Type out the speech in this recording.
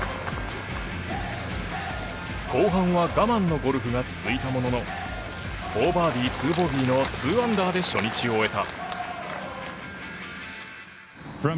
後半は我慢のゴルフが続いたものの４バーディー２ボギーの２アンダーで初日を終えた。